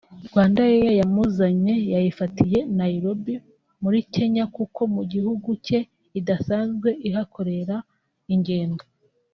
Rwandair yamuzanye yayifatiye Nairobi muri Kenya kuko mu gihugu cye idasanzwe ihakorera ingendo